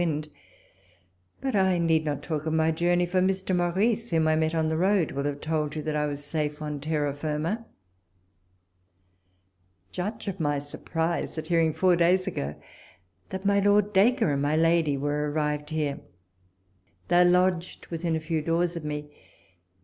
143 wind.— But I need not talk of my journey ; for Mr. Maurice, ^vhom I met on the road, will have told you that I was safe on terra firma. Judge ot my surprise at hearing four days ago, that my Lord Dacre and my lady were arrived here. They are lodged within a few doors of me.